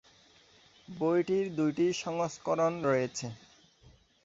বইটির দুইটি সংস্করণ রয়েছে।